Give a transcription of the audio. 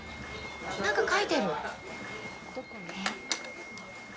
何か描いてる。